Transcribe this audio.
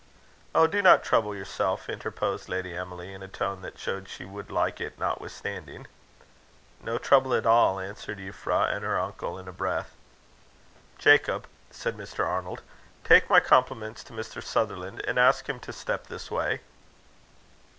"Oh! do not trouble yourself," interposed Lady Emily, in a tone that showed she would like it notwithstanding. "No trouble at all," answered Euphra and her uncle in a breath. "Jacob," said Mr. Arnold, "take my compliments to Mr. Sutherland, and ask him to step this way."